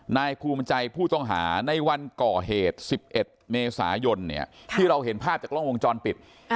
นายภูมิใจผู้ต้องหาในวันก่อเหตุ๑๑เมษายนที่เราเห็นภาพจากกล้องวงจรปิด